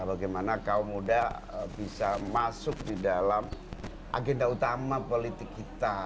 bagaimana kaum muda bisa masuk di dalam agenda utama politik kita